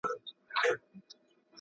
زه لکه سیوری بې اختیاره ځمه ,